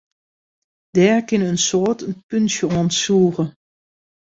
Dêr kinne in soad in puntsje oan sûge.